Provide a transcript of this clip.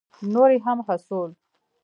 نور یې هم هڅول.